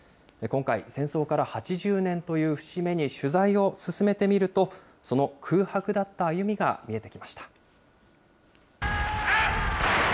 今回、戦争から８０年という節目に取材を進めてみると、その空白だった歩みが見えてきました。